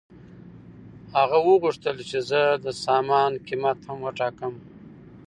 هغه وغوښتل چې زه د سامان قیمت هم وټاکم